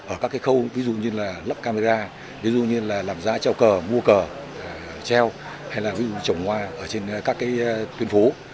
ở các cái khâu ví dụ như là lắp camera ví dụ như là làm giá treo cờ mua cờ treo hay là ví dụ trồng hoa ở trên các cái tuyên phố